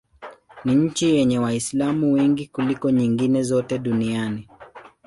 Ni nchi yenye Waislamu wengi kuliko nyingine zote duniani.